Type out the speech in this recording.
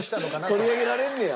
取り上げられんねや！